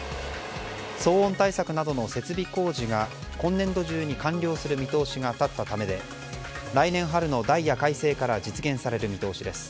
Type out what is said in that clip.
騒音対策などの設備工事が今年度中に完了する見通しが立ったためで来年春のダイヤ改正から実現される見通しです。